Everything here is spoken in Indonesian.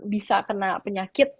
bisa kena penyakit